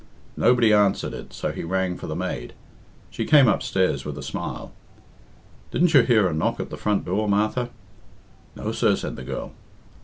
Nobody answered it, so he rang for the maid. She came upstairs with a smile. "Didn't you hear a knock at the front door, Martha?" "No, sir," said the girl.